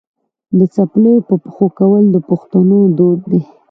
د څپلیو په پښو کول د پښتنو دود دی.